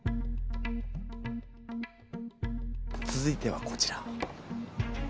続いてはこちら。